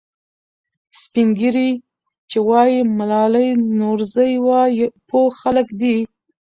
سپین ږیري چې وایي ملالۍ نورزۍ وه، پوه خلک دي.